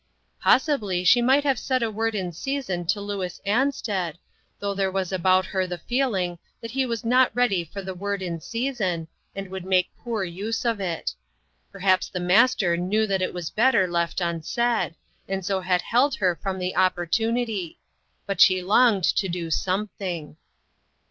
Possibly she might have said a word in SPREADING NETS. 259 season to Louis Ansted, though there was about her the feeliug that he was not ready for the word in season, and would make poor use of it. Perhaps the Master knew that it was better left unsaid, and so had held her from the opportunity ; but she longed to do something.